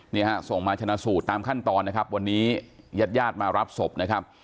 นี่ฮะส่งมาชนะสูตรตามขั้นตอนนะครับวันนี้ญาติญาติมารับศพนะครับ